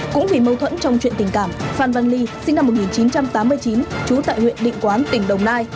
cũng vì mâu thuẫn trong chuyện tình cảm phan văn ly sinh năm một nghìn chín trăm tám mươi chín trú tại huyện định quán tỉnh đồng nai